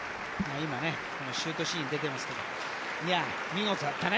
今シュートシーン出てますけど見事だったね。